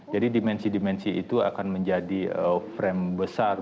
jadi dimensi dimensi itu akan menjadi frame besar